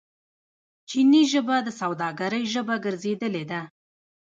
چیني ژبه د سوداګرۍ ژبه ګرځیدلې ده.